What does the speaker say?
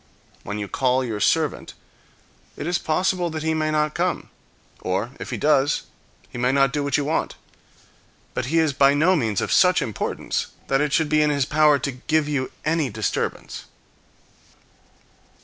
When you call your servant, it is possible that he may not come; or, if he does, he may not do what you want. But he is by no means of such importance that it should be in his power to give you any disturbance.